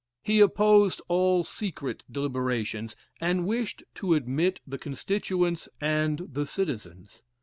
He opposed all secret deliberations, and wished to admit the constituents and the citizens.